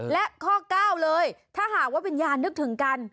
และข้อ๙เลยถ้าหากว่าวิญญาณนึกถึงกัน